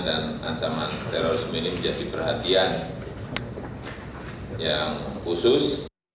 dan ancaman terorisme ini menjadi perhatian yang khusus